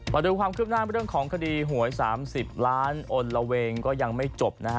มาดูความคืบหน้าเรื่องของคดีหวย๓๐ล้านอนละเวงก็ยังไม่จบนะฮะ